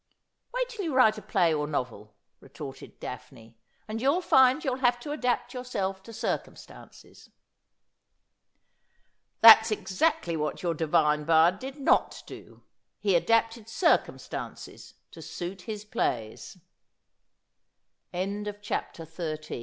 Wait till you write a play or a novel,' retorted Daphne, ' and you'll find you'll have to adapt yourself to circumstances.' ' That's exactly what your divine bard did not do. He adapted circumstances to suit his plays.' CHAPTER XIV ' L